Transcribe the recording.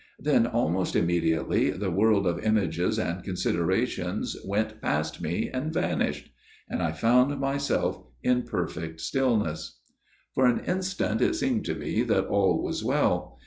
Then almost immediately the world of images and considerations went past me and vanished ; and I found myself in perfect stillness. " For an instant it seemed to me that all was well.